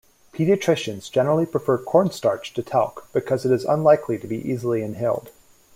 Pediatricians generally prefer cornstarch to talc because it is unlikely to be easily inhaled.